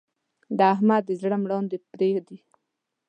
د احمد د زړه مراندې پرې دي.